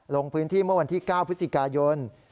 ลงพื้นที่เมื่อวันที่๙พฤศจิกายน